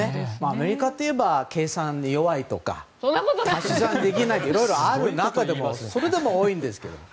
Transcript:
アメリカといえば計算、弱いとか足し算ができないとかいろいろある中でもそれでも多いんですけど。